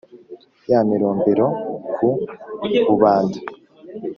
ya mirombero ku bubanda.